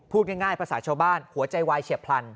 พูดง่ายภาษาชาวบ้านหัวใจวายเฉียบพลัน